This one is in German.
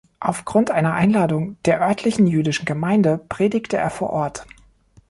Aufgrund einer Einladung der örtlichen jüdischen Gemeinde predigte er vor Ort.